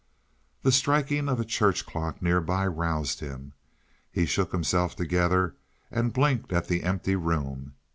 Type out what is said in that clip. The striking of a church clock nearby roused him. He shook himself together and blinked at the empty room.